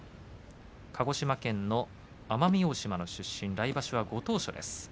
鹿児島県の奄美大島の出身来場所はご当所です。